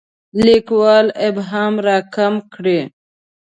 لیکوال ابهام راکم کړي.